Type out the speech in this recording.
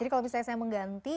jadi kalau misalnya saya mengganti